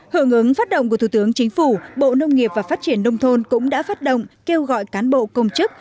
hưởng ứng phát động của thủ tướng chính phủ bộ nông nghiệp và phát triển nông thôn cũng đã phát động kêu gọi cán bộ công chức